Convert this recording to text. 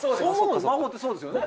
魔法ってそうですよね